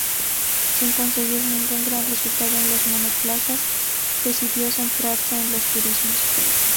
Sin conseguir ningún gran resultado en los monoplazas, decidió centrarse en los turismos.